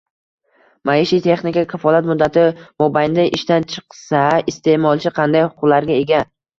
Maishiy texnika kafolat muddati mobaynida ishdan chiqsa, iste’molchi qanday huquqlarga ega?